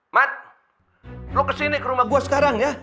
mat lo kesini ke rumah gue sekarang ya